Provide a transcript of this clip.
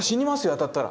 当たったら。